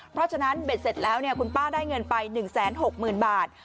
เพราะฉะนั้นเบ็ดเสร็จแล้วเนี้ยคุณป้าได้เงินไปหนึ่งแสนหกหมื่นบาท